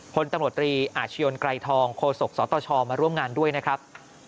พลตรอาชญนณ์ไกรทองโคศกสตชมาร่วมงานด้วยนะครับ